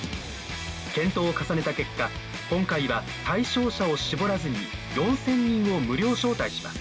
検討を重ねた結果今回は対象者を絞らずに４，０００人を無料招待します。